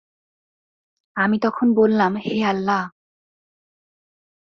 আমি তখন বললাম, হে আল্লাহ!